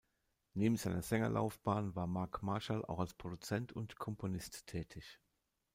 Neben seiner Sängerlaufbahn war Marc Marshall auch als Produzent und Komponist tätig.